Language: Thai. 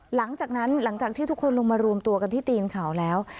หลังจากที่ทุกคนลงมารวมตัวกันที่ตีนเขาแล้ว